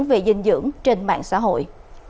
về dinh dưỡng trên mạng xã hội